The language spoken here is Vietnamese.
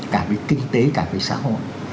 cả về kinh tế cả về xã hội